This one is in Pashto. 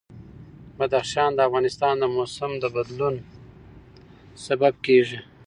بدخشان د افغانستان د موسم د بدلون سبب کېږي.